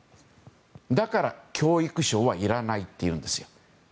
だから教育省はいらないというんです。